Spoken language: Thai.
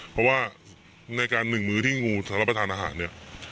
เพราะว่าในการหนึ่งมื้อที่งูจะรับประทานอาหารเนี่ย